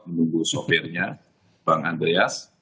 menunggu sopirnya bang andreas